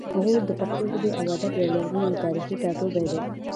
غور د پښتو ژبې او ادب یو لرغونی او تاریخي ټاټوبی دی